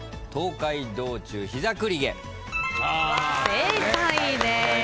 正解です。